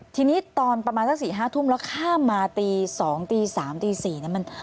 ทีนี้ตอนประมาณสักสี่ห้าทุ่มแล้วข้ามมาตีสองตีสามตีสี่